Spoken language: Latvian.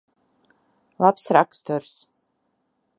Labs raksturs.